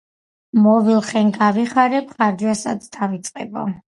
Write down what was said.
მოვილხენ, გავიხარებ, და ხარჯვასაც დავიწყებო!